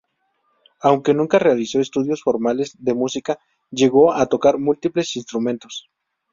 Aunque nunca realizó estudios formales de música, llegó a tocar múltiples instrumentos.